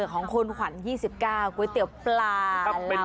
ของควรขวัญ๒๙ก๋วยเตี๋ยวปลาราววัง